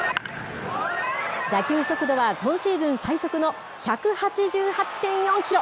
打球速度は今シーズン最速の１８８．４キロ。